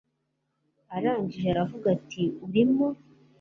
arangije aravuga ati urimo